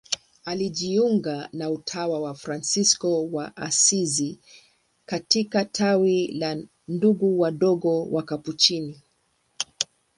Alijiunga na utawa wa Fransisko wa Asizi katika tawi la Ndugu Wadogo Wakapuchini.